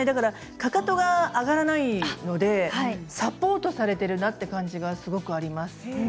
かかとが上がらないのでサポートされているなという感じがすごくあります。